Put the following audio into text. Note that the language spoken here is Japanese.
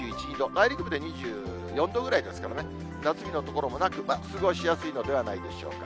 内陸部で２４度ぐらいですからね、夏日の所もなく、過ごしやすいのではないでしょうか。